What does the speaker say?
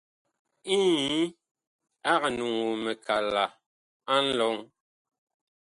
Inyi ag nuŋuu mikala nlɔŋ.